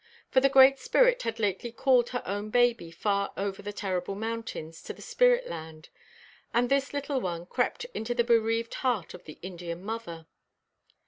For the Great Spirit had lately called her own baby "far over the terrible mountains" to the spirit land. And this little one crept into the bereaved heart of the Indian mother.